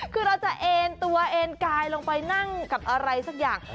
คือเราจะเอ็นตัวเอ็นกายลงไปนั่งกับอะไรสักอย่าง